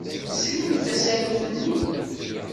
Tesrimt tasarut-nni?